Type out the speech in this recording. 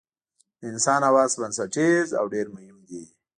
د انسان حواس بنسټیز او ډېر مهم دي.